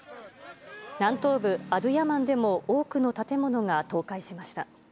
南東部、アドゥヤマンでも多くの建物が倒壊しました。